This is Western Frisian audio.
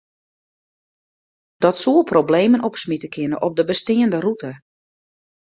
Dat soe problemen opsmite kinne op de besteande rûte.